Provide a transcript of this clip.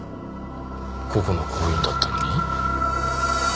ここの行員だったのに？